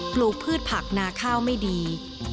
ลูกพืชผักนาข้าวไม่ดี